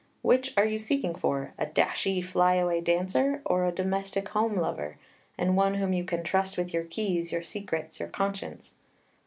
Which are you seeking for? A dashy, fly away dancer, or a domestic home lover, and one whom you can trust with your keys, your secrets, your conscience?